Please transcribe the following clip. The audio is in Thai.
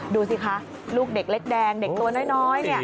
ดูสิคะลูกเด็กเล็กแดงเด็กตัวน้อย